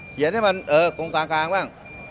เขียนให้มันเออกรงกลางบ้าง